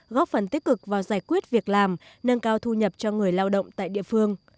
góp phần tích cực vào giải quyết việc làm nâng cao thu nhập cho người lao động tại địa phương